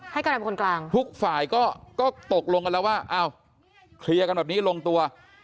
กำลังเป็นคนกลางทุกฝ่ายก็ตกลงกันแล้วว่าอ้าวเคลียร์กันแบบนี้ลงตัว